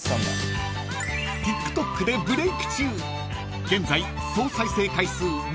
［ＴｉｋＴｏｋでブレーク中現在］